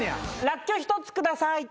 ラッキョウ１つ下さい。